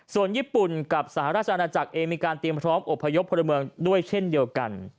ส่วนญี่ปุ่นกับสหราชอาณาจักรเองมีการเตรียมพร้อมอบพยพพลเมืองด้วยเช่นเดียวกัน